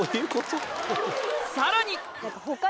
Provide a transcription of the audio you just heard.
さらに！